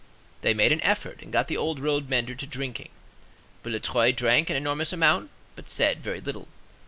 They made an effort, and got the old road mender to drinking. Boulatruelle drank an enormous amount, but said very little.